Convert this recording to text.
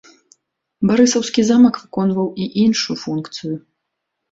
Барысаўскі замак выконваў і іншую функцыю.